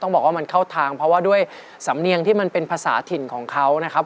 บอกว่ามันเข้าทางเพราะว่าด้วยสำเนียงที่มันเป็นภาษาถิ่นของเขานะครับ